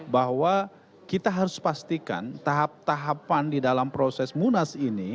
bahwa kita harus pastikan tahap tahapan di dalam proses munas ini